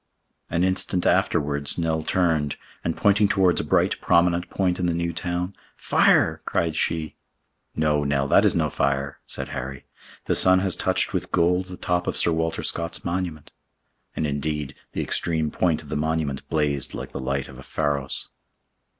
An instant afterwards, Nell turned, and pointing towards a bright prominent point in the New Town, "Fire!" cried she. "No, Nell, that is no fire," said Harry. "The sun has touched with gold the top of Sir Walter Scott's monument"—and, indeed, the extreme point of the monument blazed like the light of a pharos.